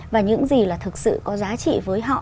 và những gì là thực sự có giá trị với họ